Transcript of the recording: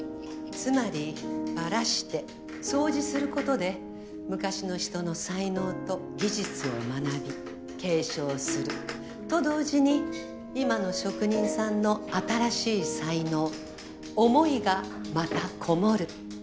つまりバラして掃除することで昔の人の才能と技術を学び継承すると同時に今の職人さんの新しい才能思いがまたこもる。